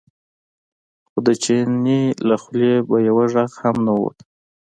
خو د چیني له خولې به یو غږ هم نه ووت.